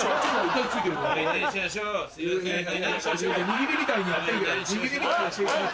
握りみたいにやってんじゃん！